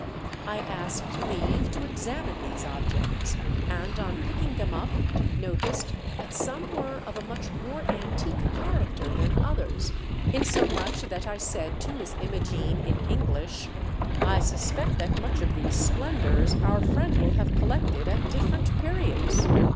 I asked leave to examine these objects, and on picking them up noticed that some were of a much more antique character than others, inso much that I said to Miss Imogene in English, " I suspect that much of these splendours our friend will have collected at different periods."